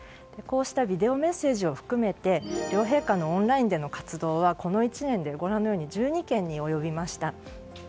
こうしたビデオメッセージを含めて両陛下のオンラインでの活動はこの１年で１２件に及びました。